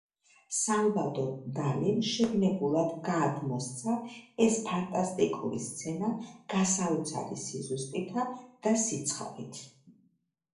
სალვადორ დალიმ შეგნებულად გადმოსცა ეს ფანტასტიკური სცენა გასაოცარი სიზუსტითა და სიცხადით.